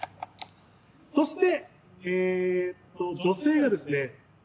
そして女性がですね。